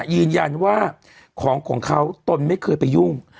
ยืนยันว่าของของเขาตนไม่เคยไปยุ่ง